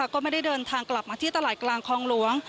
ก็ไม่ได้เดินทางกลับมาที่ตลาดกลางคลองหลวง